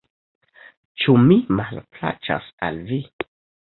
Ĉu mi malplaĉas al vi?